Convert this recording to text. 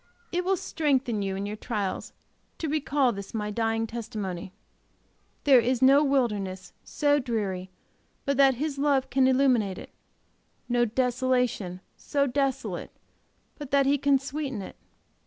It will strengthen you in your trials to recall this my dying testimony. There is no wilderness so dreary but that His love can illuminate it, no desolation so desolate but that He can sweeten it.